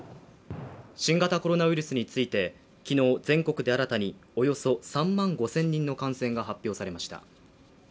新型コロナウイルスについて昨日、全国で新たにおよそ３万５０００人の感染が発表されました。